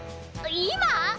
今！？